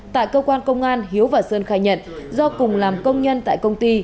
tại cơ quan công an hiếu và sơn khai nhận do cùng làm công nhân tại công ty